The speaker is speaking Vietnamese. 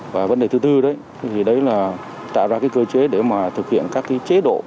và vấn đề thứ tư đấy thì đấy là tạo ra cái cơ chế để mà thực hiện các cái chế độ